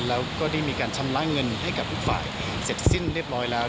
แล้วก็ได้มีการชำระเงินให้กับทุกฝ่ายเสร็จสิ้นเรียบร้อยแล้ว